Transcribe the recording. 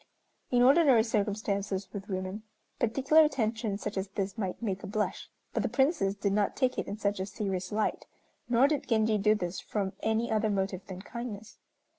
In ordinary circumstances with women, particular attention such as this might make a blush, but the Princess did not take it in such a serious light, nor did Genji do this from any other motive than kindness.